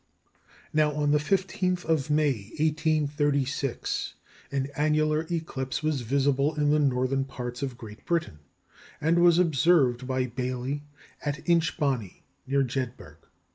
Now, on the 15th of May, 1836, an annular eclipse was visible in the northern parts of Great Britain, and was observed by Baily at Inch Bonney, near Jedburgh.